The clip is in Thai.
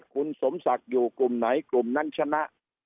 คุณสมศักดิ์อยู่กลุ่มไหนกลุ่มนั้นชนะ